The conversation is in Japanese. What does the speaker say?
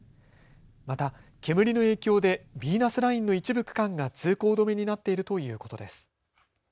また煙の影響でビーナスラインの一部区間が通行止めになっているということです。